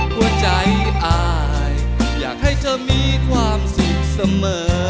หัวใจอายอยากให้เธอมีความสุขเสมอ